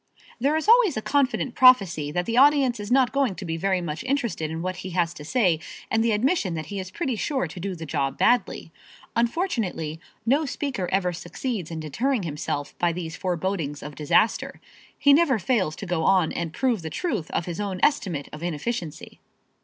There is always a confident prophecy that the audience is not going to be very much interested in what he has to say and the admission that he is pretty sure to do the job badly. Unfortunately, no speaker ever succeeds in deterring himself by these forebodings of disaster. He never fails to go on and prove the truth of his own estimate of inefficiency.